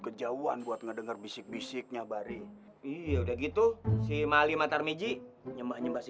kejauhan buat ngedenger bisik bisiknya bari iya udah gitu si mali matarmidji nyembah nyembah si